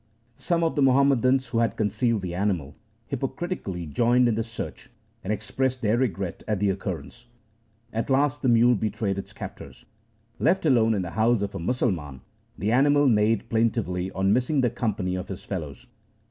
Some of the Muhammadans who had concealed the animal, hypocritically joined in the search, and expressed their regret at the occurrence. At last the mule betrayed its captors. Left alone in the house of a Musalman, the animal neighed plantively on missing the company of his fellows.